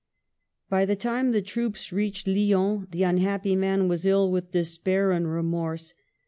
By the time the troops reached Lyons, the unhappy man was ill with despair and remorse.